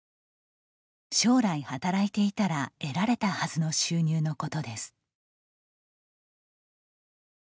将来働いていたら得られたはずの収入のことです。